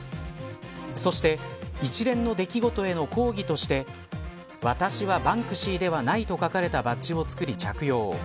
そして一連の出来事への抗議として私はバンクシーではないと書かれたバッジを作り着用。